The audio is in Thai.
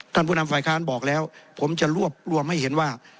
ผู้นำฝ่ายค้านบอกแล้วผมจะรวบรวมให้เห็นว่า